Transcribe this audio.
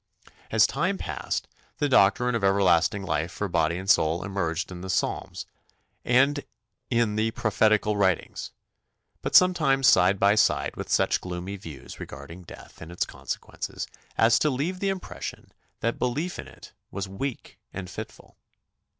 As time passed the doctrine of everlasting life for body and soul emerged in the Psalms and in the prophetical writings, but sometimes side by side with such gloomy views regarding death and its consequences as to leave the impression that belief in it was weak and fitful.